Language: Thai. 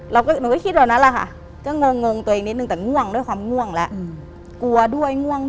หนูก็คิดแบบนั้นแล้วค่ะก็งงตัวเองนิดนึงแต่ง่วงด้วยความง่วงแล้ว